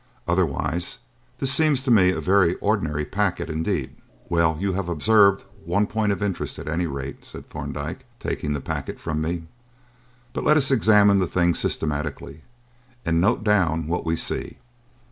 Otherwise this seems to me a very ordinary packet indeed." "Well, you have observed one point of interest, at any rate," said Thorndyke, taking the packet from me. "But let us examine the thing systematically and note down what we see.